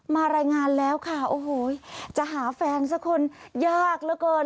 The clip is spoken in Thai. มารายงานแล้วค่ะโอ้โหจะหาแฟนสักคนยากเหลือเกิน